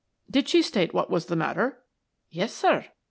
"Did she state what was the matter?" "Yes, sir.